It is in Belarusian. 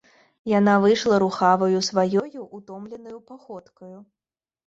Яна выйшла рухаваю сваёю ўтомленаю паходкаю.